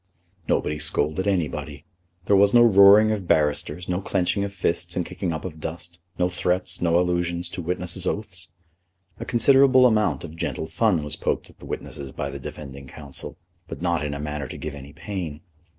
Nobody scolded anybody. There was no roaring of barristers, no clenching of fists and kicking up of dust, no threats, no allusions to witnesses' oaths. A considerable amount of gentle fun was poked at the witnesses by the defending counsel, but not in a manner to give any pain.